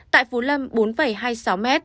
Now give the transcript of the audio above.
tại phú lâm bốn hai mươi sáu mm